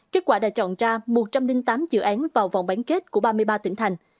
kết quả đã chọn ra một trăm linh tám dự án vào vòng bán kết của ba mươi ba tỉnh thành